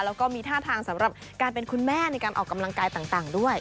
แล้วก็มีท่าทางสำหรับการเป็นคุณแม่ในการออกกำลังกายต่างด้วย